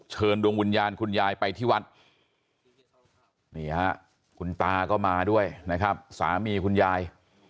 เชิญดวงวิญญาณคุณยายไปที่วัดนี่ฮะคุณตาก็มาด้วยนะครับสามีคุณยาย